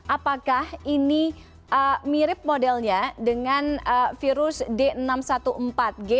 apakah ini mirip modelnya dengan virus d enam ratus empat belas g